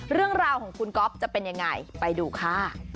เรื่องราวของคุณก๊อฟจะเป็นยังไงไปดูค่ะ